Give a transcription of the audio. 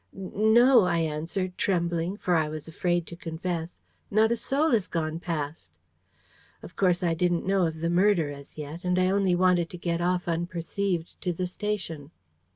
"'N no,' I answered, trembling; for I was afraid to confess. 'Not a soul has gone past!' "Of course, I didn't know of the murder as yet; and I only wanted to get off unperceived to the station.